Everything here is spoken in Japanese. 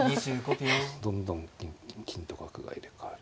どんどん金と角が入れ代わる。